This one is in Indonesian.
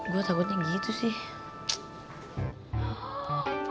gue takutnya gitu sih